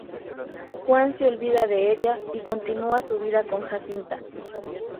Juan se olvida de ella y continúa su vida con Jacinta.